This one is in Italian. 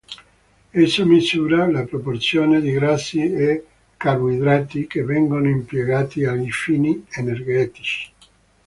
Esso misura la proporzione di grassi e carboidrati che vengono impiegati ai fini energetici.